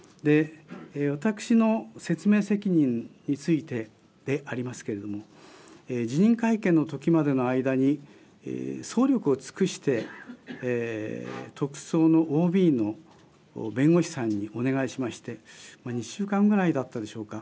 私の説明責任についてでありますけれども辞任会見のときまでの間に総力を尽くして特捜のＯＢの弁護士さんにお願いしましてまあ２週間ぐらいだったでしょうか。